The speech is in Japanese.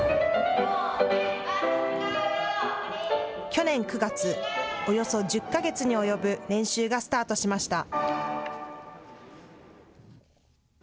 去年９月、およそ１０か月に及ぶ練習がスタートしました。